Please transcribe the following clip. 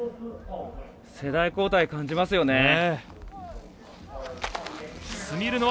世代交代を感じますよね。